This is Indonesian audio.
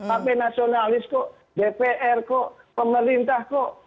tapi nasionalis kok dpr kok pemerintah kok